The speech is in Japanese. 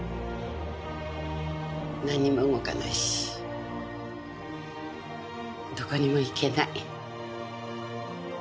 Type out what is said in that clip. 何も動かないしどこにも行けない。